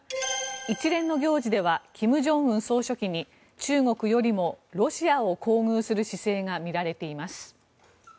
一連の行事では金正恩総書記に中国よりもロシアを厚遇する姿勢が見られています。